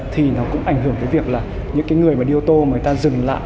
thì nó cũng ảnh hưởng tới việc là những người đi ô tô mà người ta dừng lại